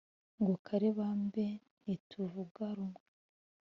Ngo kare bambe ntituvuga rumwe